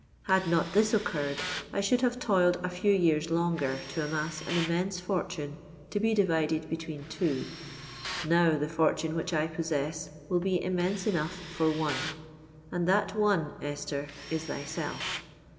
Had not this occurred, I should have toiled a few years longer to amass an immense fortune to be divided between two: now the fortune which I possess will be immense enough for one. And that one, Esther, is thyself!